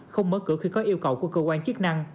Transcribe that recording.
không mở cửa khi có yêu cầu của cơ quan chức năng